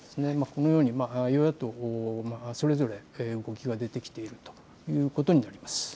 このように、与野党それぞれ動きが出てきているということになります。